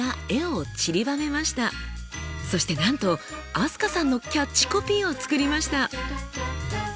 そしてなんと飛鳥さんのキャッチコピーを作りました。